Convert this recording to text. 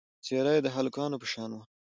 څېره یې د هلکانو په شان وه.